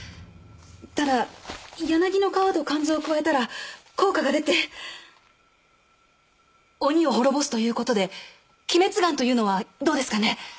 ただ柳の皮とカンゾウを加えたら効果が出て鬼を滅ぼすということで鬼滅丸というのはどうですかね？